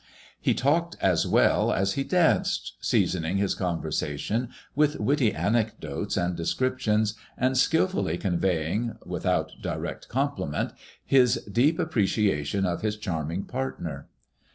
He talked as well as he danced, seasoning his conversa tion with witty anecdotes and descriptions, and skilfully con veying without direct compliment his deep appreciation of his charming partner.